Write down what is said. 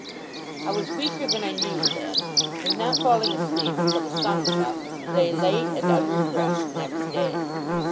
I was weaker than I knew then; and, not falling asleep until the sun was up, lay late, and unrefreshed, next day.